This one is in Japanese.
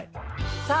さあ